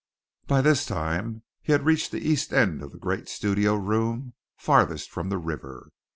By this time he had reached the east end of the great studio room, farthest from the river.